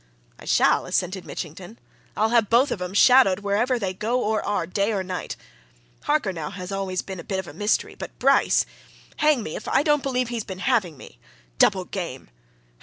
"I shall!" assented Mitchington. "I'll have both of 'em shadowed wherever they go or are, day or night. Harker, now, has always been a bit of a mystery, but Bryce hang me if I don't believe he's been having me! Double game!